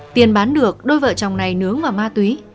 tiền bán được đôi vợ chồng này nướng vào ma túy